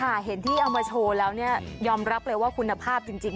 เห็นที่เอามาโชว์แล้วเนี่ยยอมรับเลยว่าคุณภาพจริง